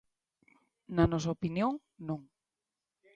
Na nosa opinión, non.